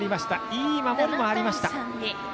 いい守りもありました。